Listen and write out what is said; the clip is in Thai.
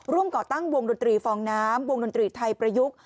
ก่อตั้งวงดนตรีฟองน้ำวงดนตรีไทยประยุกต์